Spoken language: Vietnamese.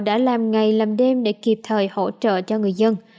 đã làm ngày làm đêm để kịp thời hỗ trợ cho người dân